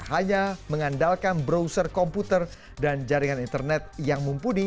hanya mengandalkan browser komputer dan jaringan internet yang mumpuni